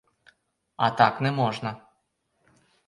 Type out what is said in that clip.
А так не можна.